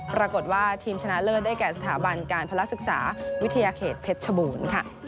ปรากฏว่าทีมชนะเลิศได้แก่สถาบันการพลักษึกษาวิทยาเขตเพชรชบูรณ์ค่ะ